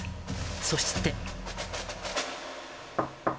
そして。